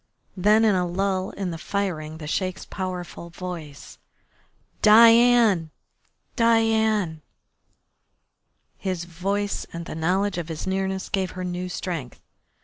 Then in a lull in the firing the Sheik's powerful voice: "Diane! Diane!" His voice and the knowledge of his nearness gave her new strength.